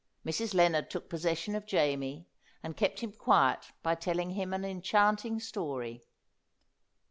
Mrs. Lennard took possession of Jamie, and kept him quiet by telling him an enchanting story.